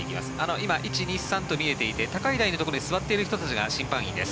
今、１、２、３と見えていて高い台のところに座っている人たちが審判員です。